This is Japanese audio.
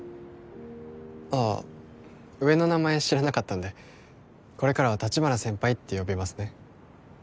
ああ上の名前知らなかったんでこれからは立花先輩って呼びますね